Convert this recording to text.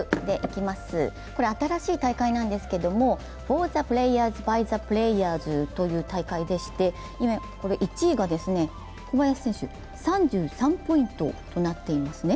あたらしい大会なんですけど、フォー・ザ・プレーヤーズバイ・ザ・プレーヤーズという大会でして１位が小林選手、３３ポイントとなっています。